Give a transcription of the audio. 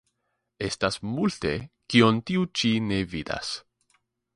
Estas multe, kion tiu ĉi ne vidas.